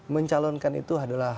mencalonkan itu adalah